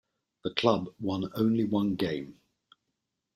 The club won only one game.